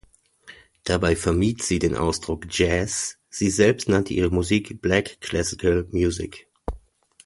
Dabei vermied sie den Ausdruck "Jazz", sie selbst nannte ihre Musik "Black Classical Music".